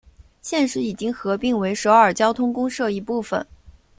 现时已经合并为首尔交通公社一部分。